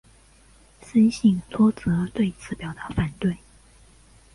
森信托则对此表达反对。